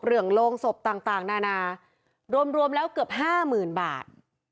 เรื่องโลงสบต่างนานารวมแล้วเกือบห้ามื่นบาท